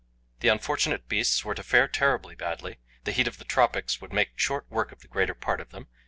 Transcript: The unfortunate beasts were to fare terribly badly. The heat of the tropics would make short work of the greater part of them.